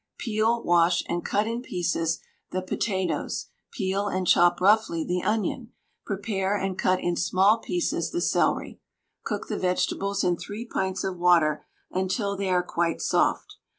Peel, wash, and cut in pieces the potatoes, peel and chop roughly the onion, prepare and cut in small pieces the celery. Cook the vegetables in three pints of water until they are quite soft.